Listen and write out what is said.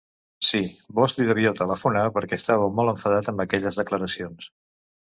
Sí, vós li devíeu telefona perquè estàveu molt enfadat amb aquelles declaracions.